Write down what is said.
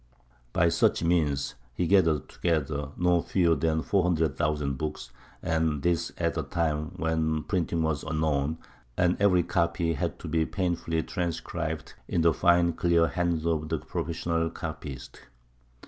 By such means he gathered together no fewer than four hundred thousand books, and this at a time when printing was unknown, and every copy had to be painfully transcribed in the fine clear hand of the professional copyist.